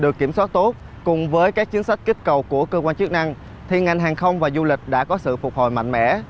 cùng với các chính sách kích cầu của cơ quan chức năng thì ngành hàng không và du lịch đã có sự phục hồi mạnh mẽ